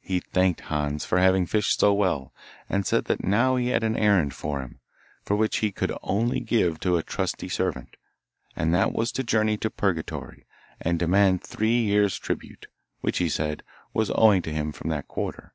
He thanked Hans for having fished so well, and said that now he had an errand for him, which he could only give to a trusty servant, and that was to journey to Purgatory, and demand three years tribute, which, he said, was owing to him from that quarter.